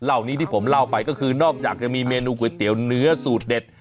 เหล่านี้ที่ผมเล่าไปก็คือนอกจากจะมีเมนูก๋วยเตี๋ยวเนื้อสูตรเด็ด